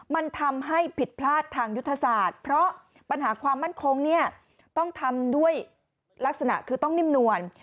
มันทำให้ผิดพลาดทางยุทธศาสตร์เพราะปัญหาความมั่นคงเนี่ยต้องทำด้วยลักษณะคือต้องนิ่มนวล